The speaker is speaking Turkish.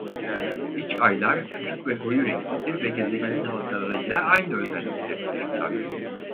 İç aylar küçük ve koyu renklidir ve gezegenin halkalarıyla aynı özellikleri taşırlar.